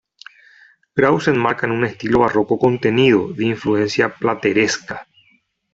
Grau se enmarca en un estilo barroco contenido, de influencia plateresca.